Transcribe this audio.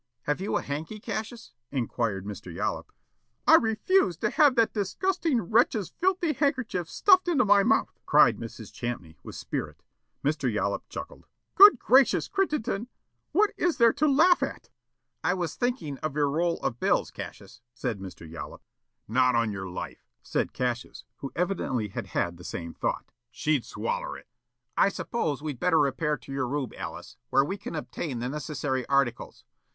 "Have you a hanky, Cassius?" inquired Mr. Yollop. "I refuse to have that disgusting wretch's filthy handkerchief stuffed into my mouth," cried Mrs. Champney, with spirit. Mr. Yollop chuckled. "Good gracious, Crittenden, what is there to laugh at?" "I was thinking of your roll of bills, Cassius," said Mr. Yollop. "Not on your life," said Cassius, who evidently had had the same thought. "She'd swaller it." "I suppose we'd better repair to your room, Alice, where we can obtain the necessary articles.